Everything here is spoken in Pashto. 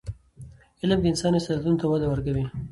علم د انسان استعدادونو ته وده ورکوي.